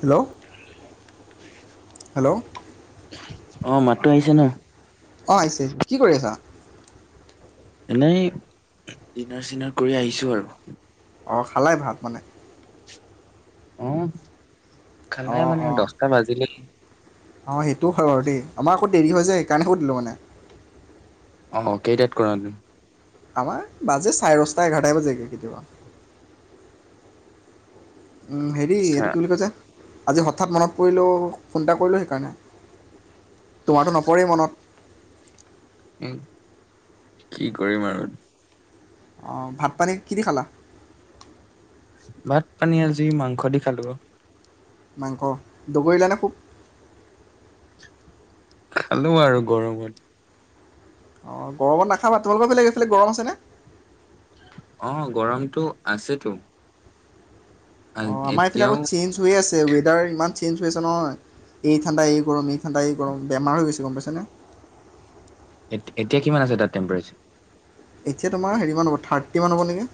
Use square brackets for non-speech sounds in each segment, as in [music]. Hello hello শুনিছন নাই? অ আহিছে কি কৰি আছা। এনেই ডিনাৰ চিনাৰ কৰি আহিছো আৰু। অঁ খালাই ভাত মানে। উম অ অ অ হেইটো হয় বাৰু দেই আমাৰ। দেৰি হৈ যে সেইকাৰণে শুধিলোঁ মানে। অ কেইটাত কৰা তুমি। আমাৰ বাজে চাৰে দচটা এঘাৰটাই বাজেগে কেতিয়াবা। উম হেৰি আচ্ছা এইটো কি বুলি কৈজে। আজি হঠাৎ মনত পৰিলে ফোন এটা কৰিলোঁ সেইকাৰণে। তোমাৰতো নপৰেই মনত। এ কি কৰিম আৰু। অ ভাত পানী কিদি খালা? ভাত পানী আজি মাংস দি খালো। মাংস দগৰিলা নে খুব খালো আৰু গৰমত অ গৰমত নাখাবা তোমালোকৰ ফালে হেইফালে গৰম আছেনে। অ গৰমটো আছেতো অ আমাৰ এইফালে এতিয়াও আকৌ চেঞ্জ হৈ আছে ৱেডাৰ ইমান চেঞ্জ হৈ আছে নহয় এই ঠাণ্ডা এই গৰম এই ঠাণ্ডা এই গৰম বেমাৰ হৈ গৈছে গম পাইছেনেে। এতিয়া কিমান আছে তাত টেম্পাৰেচাৰ এতিয়া তোমাৰ হেৰি মান হ'ব থাৰ্টি মান হ'ব নেকি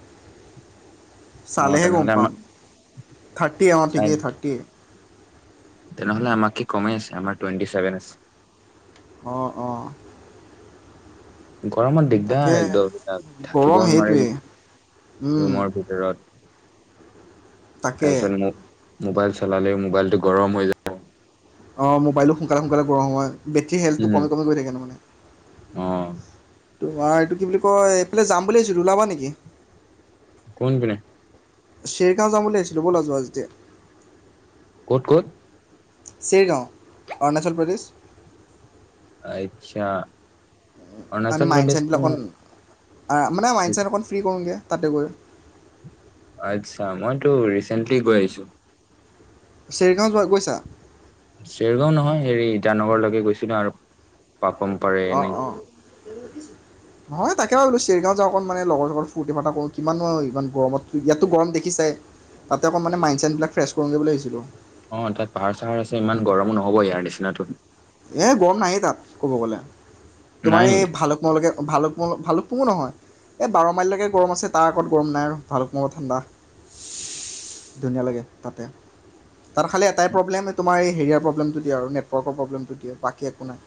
অ চালেহে গম তেনেহলে আমাৰ পাম থাৰ্টি আমাৰ চাই ঠিকেই থাৰ্টিয়ে তেনেহলে আমাতকে কমেই আছে আমাৰ টুৱেণ্টি ছেভেন আছে অঁ অঁ গৰমত তাকে দিগদাৰ একদম এবিলাক গৰম থাকিবও নোৱাৰি সেইটোৱেই ৰুমৰ ভিতৰত তাকে [unintelligible] মোবাইল চলালে মোবাইলটো গৰম হৈ যায় অ মোবাইলো সোনকালে সোনকালে গৰম হয় বেটেৰী হেল্থটো উম কমি কমি গৈ থাকে মানে। অ তোমাৰ এইটো কি বুলি কয় এইফালে যাম বুলি ভাবিছোঁ ওলাবা নেকি। কোন পিনে শ্বেৰগাঁও যাম বুলি ভাবিছিলো ব'লা যোৱা যদি ক'ত? ক'ত? চেৰিগাঁও, অৰুণাচল প্ৰদেশ। আচ্ছা! মানে অৰুণাচল প্ৰদেশটো মাইণ্ডচছেটবিলাক অকণ মই মানে মাইণ্ডচছেট অকণ ফ্ৰী কৰোঁগৈ তাতে গৈ। আচ্ছা, মইতো ৰিচেন্টলি গৈ আহিছোঁ। চেৰিগাঁও যোৱা, গৈছা? চেৰিগাঁও নহয়, হেৰি, ইটানগৰলৈকে গৈছিলো আৰু। পাপম পাৰে, এনেই হয়, তাকে ভাবিলো চেৰিগাঁও যাওঁ অকণ মানে লগৰ লগত, ফূৰ্তি ফাৰ্তা কৰো কিমানো, ইমান গৰমত, ইয়াতো গৰম দেখিছোই তাতে অকণ মানে মাইণ্ডছেট বিলাক ফ্ৰেছ কৰোঁগৈ বুলি ভাবছিলো। অ' তাত পাহাৰ-চাহাৰ আছে, ইমান গৰম নহ'ব ইয়াৰ নিচিনা তো এ গৰম নাইয়ে তাত, ক'ব গ'লে। তোমাৰ নাই এই নেকি ভালুকপুংৰ লৈকে ভালুপুং, ভালুকপুঙো নহয়, এই বাৰ মাইলৰ লৈকে গৰম আছে তাৰ আগত গৰম নাই আৰু ভালুকপোঙত ঠাণ্ডা, ধুনীয়া লাগে তাতে, তাত খালি এটাই প্ৰব্লেম, তোমাৰ এই হেৰিয়াৰ প্ৰব্লেমটো দিয়ে আৰু নেটৱৰ্কৰ প্ৰব্লেমটো। টো দিয়ে, বাকী একো নাই।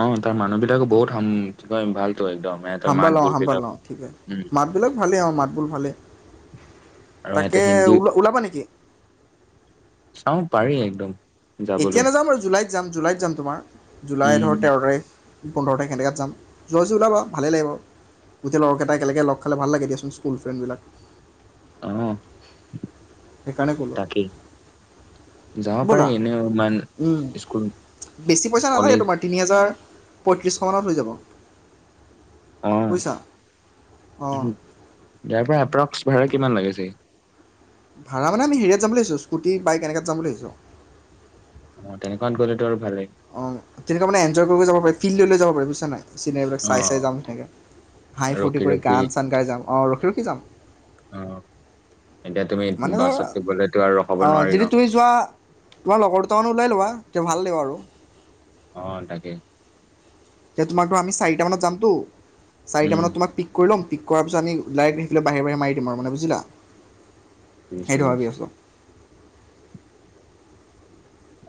অ' তাৰ মানুহ বিলাকো বহুত, কি কয় ভাল। হাম্ভাল অ', হাম্ভাল অ', ঠিকেই উম মাত বোলত ভালেই অঁ মাত বোল ভালে আৰু সিহঁতে তাকেই, হিন্দী ওলাবা নেকি? অ' পাৰি একদম। এতিয়া, যাবলৈ নাযাওঁ বাৰু জুলাইত যাম, জুলাইত যাম, তোমাৰ। জুলাই, ধৰ উম তেৰ তাৰিখ পোন্ধৰ তাৰিখে এনেকাত যায়, যোৱা যদি ওলাবা, ভালেই লাগে বাৰু গোটেই লগৰকেইটাই একেলগে লগ খালে ভাল লাগে দিয়াচোন, স্কুল ফ্ৰেণ্ডবিলাক। অ' সেইকাৰণে ক'লোঁ তাকেই, যাব পাৰি এনেও ইমান উম। স্কুল বেছি পইচা নালাগে কলেজ তোমাৰ, তিনি হাজাৰ পঁয়ত্ৰিছশ মানত হৈ যাব। অঁ, বুজিছা অঁ ইয়াৰ পৰা এপ্ৰক্স ভাড়া কিমান লাগে চাগে? ভাড়া মানে আমি হেৰিয়াত যাম বুলি ভাবিছোঁ, স্কুটি বাইক, এনেকাত যাম বুলি ভাবিছোঁ। অ তেনেকুৱাত গ'লে তো আৰু ভালেই অ তেনেকুৱা মানে এনজয় কৰি যাব পাৰি, ফিল লৈ যাব পাৰি‌, বুজিছা? চিনেৰিবিলাক অ চাই চাই যাম তেনেকে, হাঁহি ফূৰ্তি ৰখি কৰি ৰখি গান চান গাই যাম। অঁ, ৰখি-ৰখি যাম। অ এতিয়া তুমি মানে ধৰা, বাছত গ'লেতো আৰু ৰখাব অঁ, নোৱাৰি ন যদি তুমি যোৱা, তোমাৰ লগৰ দুটামানো ওলাই লবা। এ ভাল দে আৰু। অহ তাকে। এতিয়া তোমাক ধৰ আমি চাৰিটামানত যামতো চাৰিটা উম মানত তোমাক পিক কৰি ল'ম। পিক কৰাৰ পিছত আমি ডাইৰেক্ট সেইফালে বাহিৰে-বাহিৰে মাৰি দিম আৰু মানে বুজিলা? বুজিছো সেইটো ভাবি বুজিছো আছোঁ।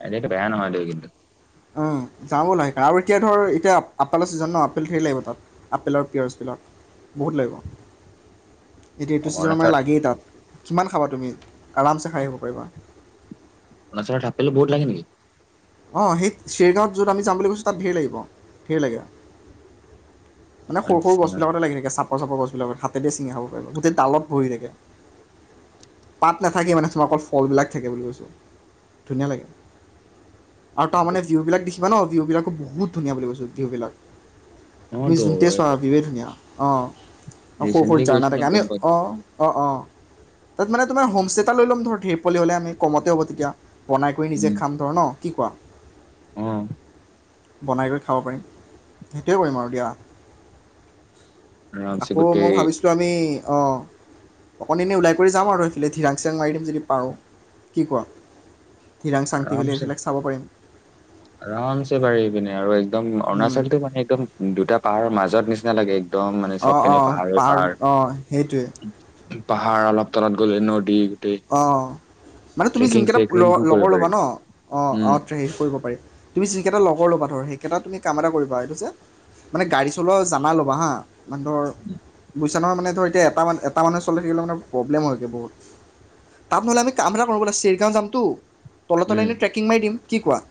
আইডিয়াটো বেয়া নহয় দেই কিন্তু। অহ যাওঁ বোলা আৰু এতিয়া ধৰ এতিয়া আপেলৰ ছিজন ন আপেল ধৰি লাগিব তাত আপেলৰ পিয়াজবিলাক বহুত লাগিব। এইটো-এইটো ছিজনৰ মানে অৰুণাচল লাগেই তাত। কিমান খাবা তুমি, আৰামছে খাই আহিব পাৰিবা। অৰ্ণচলত এপেল বহুত লাগে নেকি? অ সেই চেৰগাঁৱত য'ত আমি যাম বুলি কৈছোঁ তাত ধেৰ লাগিব, ধেৰ লাগে। মানে সৰু আচ্ছা গছবিলাকতে লাগী থাকে। চাপৰ গছবিলাকত হাতে চিঙা খাব পাৰ গোটেই ডালত ভৰি থাকে। পাত নাথাকে মানে তোমালোকৰ ফলবিলাক থাকে বুলি কৈছোঁ, ধুনীয়া লাগে। আৰু তাৰ মানে বিহু বিলাক দি কিবা ন বিহু বিলাকো বহুত ধুনীয়া বুলি কৈছো, বিহু বিলাক। তুমি অতো যোনতে চোৱা বিবেদ ধুনীয়া। অ সৰু সৰু ৰিচেন্টলি ঝাৰণা গৈছিলো থাকে, আমি গম পাই অ অ অ তাত মানে তোমাৰ হোমষ্টে এটা লৈ ল'ম ধৰ ঢে পোৱালি হ'লে আমি কমতে হ'ব তেতিয়া। বনাই কৰি নিজে খাম ধৰ ন! কি কোৱা? আহ বনাই কৰি খাব পাৰিম। সেইটোৱে কৰিম আৰু দিয়া। আৰামছে আকৌ গোটেই মই ভাবিছিলোঁ আমি, অ অকণ এনেই ওলাই কৰি যাম আৰু, সেইফালে ধীৰাং চিৰাং মাৰি দিম যদি পাৰোঁ। কি কোৱা? ধিৰাং শান্তি বুলি আৰামছে কৰিম আৰামছে পাৰি পিনে আৰু একদম পাৰিম অৰুণাচলটো মানে একদম দুটা পাহাৰ মাজত নিচিনা চালাগে অ অ পাহা অ সেইটোৱে পাহাৰ অলপ তলত গ'লে নদী। গোটেই অ মানে তুমি ট্ৰেকিং যোনকেইটা চেকিংটো কৰিব লগৰ ল'বা পাৰি ন, অ অ উম ট্ৰে হেৰি কৰিব পাৰি তুমি যিকেইটা লগৰ ল'বা ধৰ সেইকেইটা তুমি কাম এটা কৰিবা এইটো যে, মানে গাড়ী চলোৱা জানা ল'বা হা বান্দৰ মানে ধৰ এতিয়া এটা এটা মানুহ চল থাকিলে মানে প্ৰব্লেম হয়গে বহুত। তাত নহ'লে আমি কামৰা কৰিব চেৰিগাঁও যামতো তল তলে উম এনে ট্ৰেকিং মাৰি দিম কি কোৱা?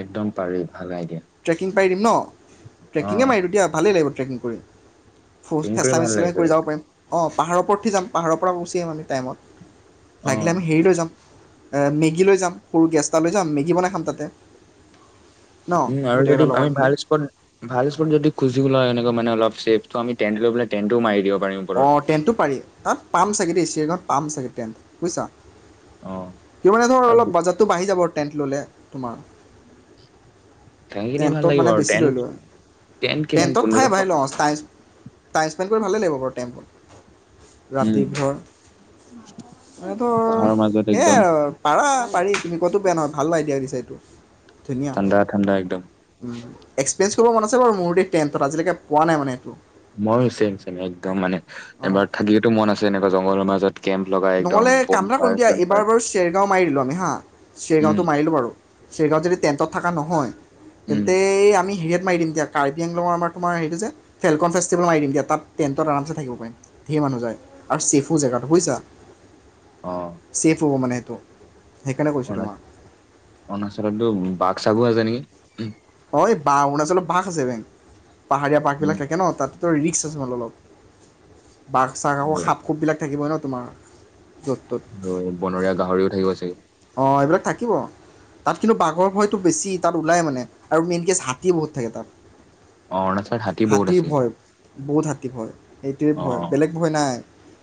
একদম পাৰে ভালাই আইডিয়া। ট্ৰেকিং পাৰি দিম ন? অ ট্ৰেকিঙে মাৰি দিওঁ তিয়া ভালেই লাগিব। ট্ৰেকিং কৰিম। ফচ ট্ৰেকিং কৰি ফেচলা ভাল মেচলা লৈ লাগে কৰি যাব পাৰিম। অঁ পাহাৰ উপত উঠি যাম, পাহাৰৰ পৰা গুচি আহিম আমি টাইমত। অ লাগিলে আমি হেৰি লৈ যাম, মেগী লৈ যাম। সৰু গেছ এটা লৈ যাম, মেগী বনাই খাম তাতে ন? উম আৰু যদি গোটেইকেইটা লগৰ আমি মিলি ভাল স্পট, ভাল স্পট যদি খুজিবলে হয় এনেকুৱা মান অলপ ছেফ্টো আমি ট্ৰেন লৈ পেলাই আমি ট্ৰেনটো মাৰি দিব পাৰিম অ ওপৰত ট্ৰেনতটো পাৰি তাত পাম চাগে দেই চিৰিঙত। পাম চাকে টেণ্ট, বুইছা। অ কি মানে ধৰ অলপ আৰু বাজেটটো বাঢ়ি যাব টেণ্ট ল'লে, তোমাৰ ঠাইখিনি ভাল টেণ্টত লাগিব মানে আৰু বেছি লৈ টেণ্ট লয়। টেণ্ট কিমান টেণ্টত ঠাই পোন্ধৰশ [unintelligible] টাইম স্পেণ্ড কৰি ভালেই লাগিব বাৰু টেম্পত উম ৰাতিভৰ, মান ধৰ পাহাৰৰ মাজত সেয়াই একদম আৰু, পাৰা-পাৰি তুমি কোৱাটোও বেয়া নহয়। ভাল আইদিয়া দিছা এইটো। ঠাণ্ডা ঠাণ্ডা। একদম এক্সপিৰিয়েঞ্চ কৰিব মন আছে বাৰু মোৰ টেণ্টত, আজিলৈকে পোৱা নাই মানে এইটো ময়ো চেম-চেম, একদম মানে। অঁ এবাৰ থাকিবতো মন আছে এনেকুৱা জংঘলৰ মাজত। কেম্প লগাই একদম নহ'লে বন কাম এটা পাৰ কৰিম দিয়া, চন পাৰ এইবাৰ বাৰু চেৰগাঁও মাৰি দিলোঁ আমি হা। উম চেৰগাঁওটো মাৰিলোঁ বাৰু। চেৰগাঁৱত যদি টেণ্টত থকা নহয়! উম তেন্তে আমি হেৰিয়াত মাৰি দিম দিয়া। কাৰ্বি- আংলঙৰ আমাৰ তোমাৰ হেৰিটো যে, ফেলকনফেষ্টিভেল মাৰি দিম দিয়া। তাত টেণ্টত আৰামচে থাকিব পাৰিম। ধেৰ মানুহ যায়, আৰু ছেফো জেগাটো বুইছা। ছেফ হ'ব মানে টো [unintelligible] অৰুণাচলতটো বাঘ-চাঘো আছে নেকি? [unintelligible] হয় বা, অৰুণাচলত বাঘ আছে বেং পাহাৰীয়া পাকবিলাক উম। থাকে ন তাত ত' ৰিক্স আছে মানে অলপ। বাঘ-চাঘ আকৌ আৰু সাপ-খপবিলাক থাকিব ন? তোমাৰ য'ত আৰু বনৰীয়া গাহৰিও থাকিব চাগে! অ' এইবিলাক থাকিব, তাত কিন্তু বাঘৰ ভয়টো বেছি। তাত ওলাই মানে, আৰু মেইন কেচ হাতী বহুত থাকে তাত। অ' অৰুণাচলত হাতী বহুত হাতীৰ আছে। ভয়, বহুত হাতীৰ ভয়। এইটোৱে ভয়, অ' বেলেগ ভয় নাই।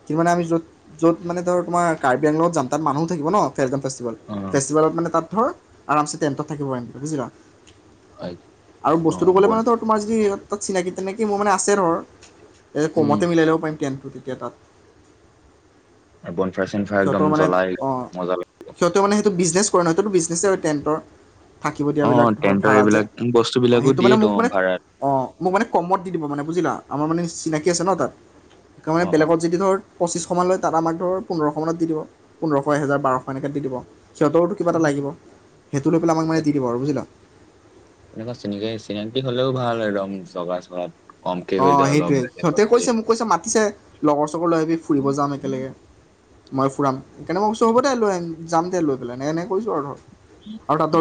কিন্তু মানে আমি য'ত-য'ত মানে ধৰ, তোমাৰ কাৰ্বি আংলঙত যাম। তাত মানুহো থাকিব ন ফেলকন ফেষ্টিভেল অ' ফেষ্টিভেলত মানে তাত আৰামছে টেন্টত থাকিব পাৰিম, বুজিলা? আৰু বস্তুটো অ' ক'লে বন মানে ত' তোমাৰ যদি তাত চিনাকি-তিনাকি মোৰ মানে আছে ধৰ। উম কমতে মিলাই ল'ব পাৰিম কেন। গতিকে তাত বনফায়াৰ-চনফায়াৰ একদম জ্বলাই, মজা লাগে। সিহঁতে মানে সেইটো বিজনেছ কৰে নহ সহঁতটো বিজনেছে হয় টেণ্টৰ থাকিব অ' দিয়াবিলাক ধৰ টেন্টৰ ভা়ৰা যে এইবিলাক বস্তু অঁ বিলাকো সেইটো মানে দিয়েতো মোক অ' মানে ভাড়াত। অঁ মোক মানে কমত দি দিব মানে বুজিলা আমাৰ মানে চিনাকি আছে ন তাত সেই মানে অ' অ' বেলেগত যদি ধৰ পঁচিশান লৈ তাত আমাক ধৰ পোন্ধৰশ মানত দি দিব পোন্ধৰশ এহেজাৰ বাৰ শ হেনেকাত দি দিব। সিহঁতৰো কিবা এটা অ' লাগিব সেইটো লৈ পেলাই আমাক মানে দি তাকে দিব আৰু বুজিলা। তেনেকুৱা চিনাকি চিনাকি হলেও ভাল একদম জগা চগাত কমকে অ হৈ যায় অলপ সেইটোৱে সিহঁতে বেলেগতকে। কৈছে মোক কৈছে মাতিছে লগৰ চৰ লৈ আহাবি ফুৰিব যাম একেলগে মই ফুৰাম কেনে মই কস্তো হ'ব দে লৈ যাম তে লৈ পেলাই এ এনেক কৈছো আৰু ধৰ আৰু তাত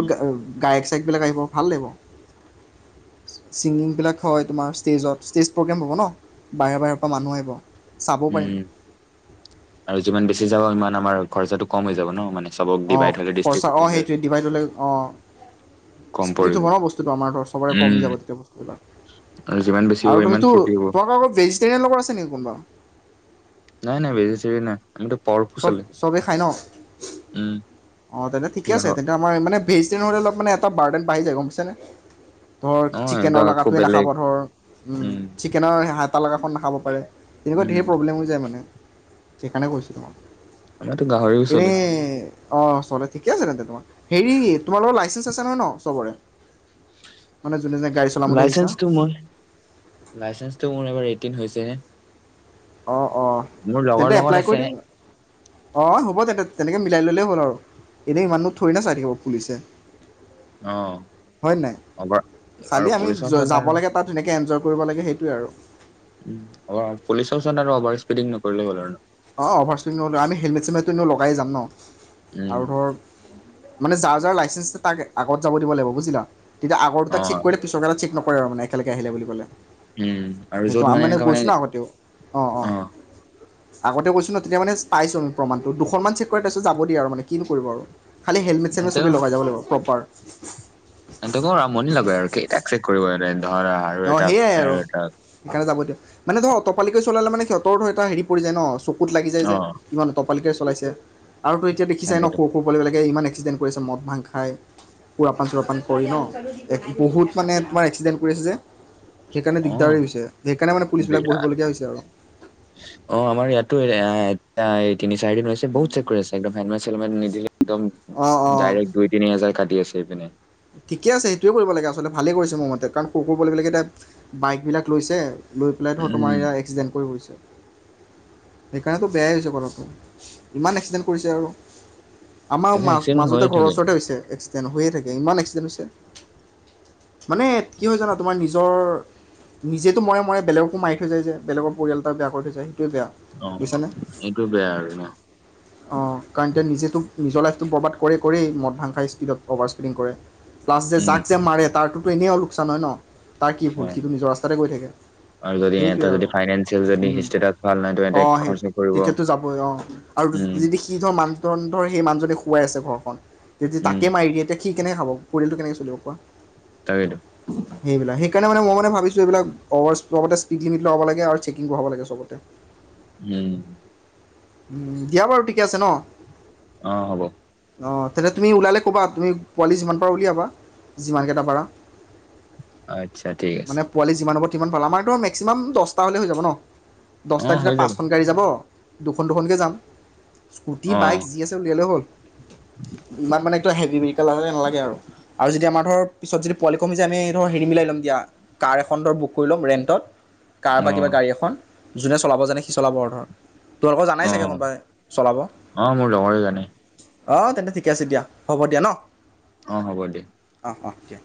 গায়ক ক বিলাক আহিব ভাল লাগিব, ছিগিংবিলাক হয় তোমাৰ ষ্টেজত ইষ্টেজ প্ৰগ্ৰেম হ'ব ন বাহৰ বাহিৰৰ পৰা মানুহ আহিব। চাব পাৰিম উম আৰু যিমান বেছি যাব পাৰে সিমান আমাৰ খৰচাটো কম হৈ যাব ন মানে। চবক অ ডিভাইড হ'লে খৰচা ডিষ্ট্ৰিবিউট অ হ'লে সেইটোৱে ডিভাইডলৈ অ কম স্প্লিট পৰিব। হ'ব ন বস্তুটো আমাৰ ধ সবৰে উম কমি যাব তেয়া আৰু যিমান বেছি বস্তুবিলাক হ'ব আৰু ইমান তুমিতো, ফূৰ্তি হ'ব তোমাক অ ভেজিটেৰিয়ান লগৰ আছে নেকি কোনোবা? নাই নাই বেজি চিজি নাই। আমিতো পাৱাৰফুল চব চলে চবেই খায় ন উম অ তে ঠিকে গাহ আছে তে আমাৰ মানে ভেজিটেৰি মে এটা বাডেন বাঢ়ি যায় গম পাইছে নে? ধৰ অ এইটো চিকেনৰ আকৌ লগাটোৱে নাখাব বেলেগ ধৰ উম চিকেনৰ হাত তালকাখন নাখাব পাৰে। তেনেকুৱা ঢেৰ উম প্ৰব্লেমো যায় মানে। সেইকাৰণে কৈছিলো মই আমাটো গাহৰিও চলে। অ চলে ঠিকে আছে তেন্তে তোমাৰ হেৰি তোমাৰ লগত লাইচেন্ঞ্চ আছে নহয় ন চবৰে মানে যোনে যোনে গাড়ী চলাম বুলি ভাবিছা লাইচেন্সটো মই লাইচেন্সটো মোৰ এবাৰ এইত টিন হৈছে হে অ। অঁ তেন্তে লগত এপ্লাই কৰি আছে দিও অ হ'ব তেনে তেনেকে মিলাই ললেই হ'ল আৰু এনেই ইমান নু থৰি না চাই থাকিব পুলিচে অ হয় নাই? অভাৰ আৰু খালি আমি পুলিচৰ ওচৰত যাব আৰু লাগে তাত তেনেকে এনজ কৰিব লাগে সেইটোৱে আৰু উ পুলিচৰ ওচৰত আৰু অভাৰ স্পিডিং নকৰিলে হল আৰু অ অভাৰ স্পীদ নক আ হেলমেট চমেটো লগাই যাম ন উম আৰু ধৰক মানে যাৰ যাৰ লাইচেন্ঞ্চ তাক আগত যাব দিব লাগিব বুজিলা। তেতিয়া অ আগৰটোক চেক কৰিলে পিছৰ চেক নক [unintelligible] মানে একেলগে আহিলে বুলি ক'লে। উম আৰু সেইটো য'ত আ মানে এনেকুৱা গৈছো ন আগতেউ, অ অ। আগতে কৈছো ন তেতিয়া মানে পাইছোঁ আমি প্ৰমাণটো। দুখনমান চেক কৰে তাৰপিছত যাব দিয়ে আৰু মানে কিনু কৰিব আৰু। খালি হেলমেট চেলমেট চবে লগাই যাব লাগিব, প্ৰপাৰ [inaudible] তম আমনি লাগে আৰু কেইটাক চেক কৰিব সিহ ধৰা আৰু অঁ এটা সেয়াই আৰু এটা সেইকাৰণে যাব দিয়ক মানে ধৰ অতপালিকৈ চলালে মানে সহঁতৰ ধৰ এ হেৰি পৰি যায় ন চ কুত লাগি যায় অ যে ইমান অতপা পালিকে চলাইছে। আৰু তো এতিয়া দেখিছাই ন তাকেতো সৰু সৰু পোৱলিবিলাকে ইমান এক্সিডেণ্ট কৰিছে মদ ভাং খাই, সুৰাপান চোৰাপান কৰি ন, এক বহুত মানে তোমাৰ এক্সিডেণ্ট কৰি আছে যে। সেইকাৰণে অ দিগদাৰি হৈছে সেইকাৰণে মানে পুলিচ বিলাক বিৰাট। বহিবলগীয়া হৈছে আৰু। অ আমাৰ ইয়াতো এ [unintelligible] তিনি চাৰিদিন হৈ আছে বহুত চেক কৰি আছে একদম হেলমেট নিদিলে একদম অঁ অঁ ডাইৰেক্ট দুই তিনি হাজাৰ কাটি আছে এইপিনে। ঠিকে আছে সেইটোৱে কৰিব লাগে আচলতে ভালেই কৰিছে মোৰ মতে কাৰণ কুকুৰ পোৱালি বিলাকে তাত বাইক বিলাক লৈছে। লৈ পেলাই ধৰ তোমাৰ উম এয়া এক্সিডেণ্ট কৰি ফুৰিছে। সেইকাৰণেতো বেয়াই হৈছে কথাটো ইমান এক্সিডেণ্ট কৰিছে আৰু। আমাৰ তাকে মাজ এক্সিডেণ্ট মাজতে হৈয়ে ঘৰৰ থাকে ওচৰতে হৈছে এক্সি ডেন হৈয়ে থাকে। ইমান এক্সিডেণ্ট হৈছে। মানে কি হয় জানা তোমাৰ নিজ নিজৰ নিজেতো মৰে মৰে বেলেগকো মাৰি থৈ যায় যে বেলেগৰ পৰিয়াল এটা বেয়া কৰি থৈ যায়। সেইটোৱে বেয়া অ বুইছানে? এইটো বেয়া আৰু ন অঁ কাৰণ তো নিজেতো নিজৰ লাইফটো বৰ্বাদ কৰেই কৰেই মদ ভাং খাই স্পীডত অভাৰ কৰে। প্লাছ যে উম যাক যে মাৰে তাৰ তো ত এনেও লোকচান হয় ন? তাৰ কি ভুল অ সিটো নিজৰ ৰাস্তাতে গৈ থাকে আৰু যদি সেইটোৱে এটা যদি আৰু ফাইনেন্সিয়েল যদি ষ্টেটাচ ভাল নাই তেন্তে অ সেই খৰচা কৰিব তেতিয়াতো যাবই অ আৰু উম যদি সি ধৰ মান ধৰ সেই মানুহজনে খোৱাই আছে ঘৰখন। যদি উম তাকে মাৰি দিয়ে তে সি কেনেকে খাব পৰিয়ালটো কেনেকে চলিব কোৱা তাকেইতো সেইবিলাক সেইকাৰণোনে মই মান ভাবছোঁ এইবিলাক অভাৰ স্পীড লিমিট হব লাগে আৰু চেকিং বঢ়াব লাগে চবতে উম উম দিয়া বাৰু ঠিকে আছে ন অ হ'ব অ তেতিয়া তুমি ওলালে ক'বা তুমি পোৱালি যিমান পাৰা উলিয়াবা যিমানকেইটা পাৰা আত্ছা ঠিক আছে। কিমান ভাল আমাৰতো মেক্সিমাম দহটা হ'লে হৈ যাব ন দহটা অ তেতিয়া হৈ পাঁচখন গাড়ী যাব দুখন দুখনকৈ যাম স্কুটি অ বাইক যি আছে উলিয়ালে হ'ল ইমান মানে হেভি নালাগে নালাগে আৰু আৰু যদি আমাৰ ধৰ পিছত যদি পোৱালি কমিায় আমি ধৰ হেৰি মিলাই ল'ম দিয়া কাৰ এখন ধৰ বুক কৰি ল'ম ৰেণ্টত কাৰ অ বা কিবা গাড়ী এখন যোনে চলাব জানে সি চলাব আৰু ধৰ তোমালোকৰ অ জানাই চাগে কোনোবাই চলাব অ মোৰ লগৰে জানে অ তেন্তে ঠিকে আছে দিয়া হ'ব দিয়া ন অ হ'ব দিয়া অঁ অঁ দিয়া